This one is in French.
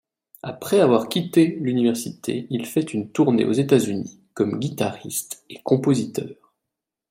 Après avoir quitté l'université, il fait une tournée aux États-Unis comme guitariste et compositeur.